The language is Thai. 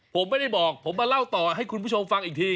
ผมไม่ได้บอกผมมาเล่าต่อให้คุณผู้ชมฟังอีกที